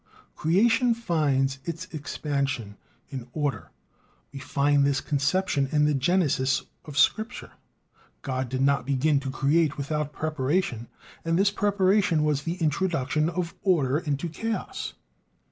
Creation finds its expansion in order. We find this conception in the Genesis of Scripture. God did not begin to create without preparation; and this preparation was the introduction of order into chaos.